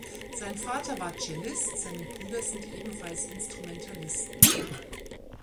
Sein Vater war Cellist, seine Brüder sind ebenfalls Instrumentalisten.